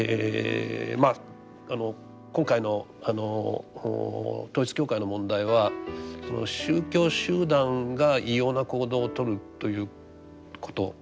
今回の統一教会の問題はその宗教集団が異様な行動をとるということ。